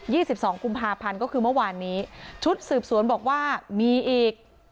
สิบสองกุมภาพันธ์ก็คือเมื่อวานนี้ชุดสืบสวนบอกว่ามีอีก